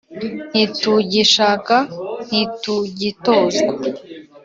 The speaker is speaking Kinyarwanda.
ntitugishaka ntitugitozwa